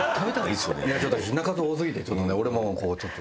いやちょっと品数多すぎて俺もこうちょっと。